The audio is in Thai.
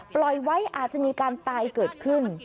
ปล่อยไว้อาจจะมีการตายเกิดขึ้น